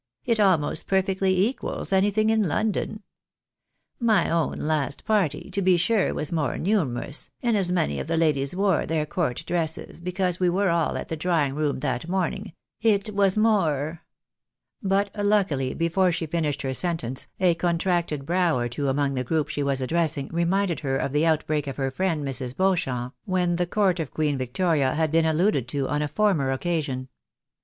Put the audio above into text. It almost perfectly equals anything in London. My own last party, to be sure, was more numerous, and as many of the ladies wore their court dresses, because we were aU at the drawing room that morning — it was more " But, luckily, before she finished her sentence, a contracted brow or two among the group she was addressing, reminded her of the outbreak of her friend, Mrs. Beauchamp, when the court of Queen Victoria had been alluded to on a former occasion.